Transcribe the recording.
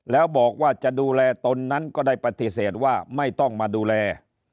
แล้วบอกว่าจะดูแลตนนั้นก็ได้ปฏิเสธว่าไม่ต้องมาดูแล